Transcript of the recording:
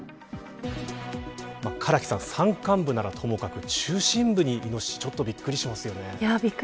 唐木さん、山間部ならともかく中心部にイノシシびっくりしますね。